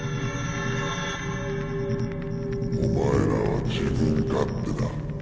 お前らは自分勝手だ。